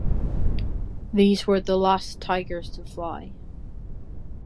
These were the last Tigers to fly.